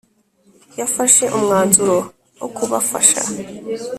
yafashe umwanzuro wo kubafasha